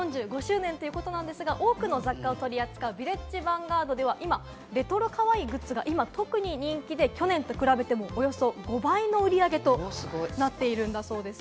４５周年ということですが、多くの雑貨を取り扱うヴィレッジヴァンガードでは、今、レトロかわいいグッズが特に人気で去年と比べてもおよそ５倍の売り上げとなっているんだそうです。